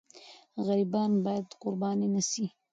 غریبان باید قرباني نه سي.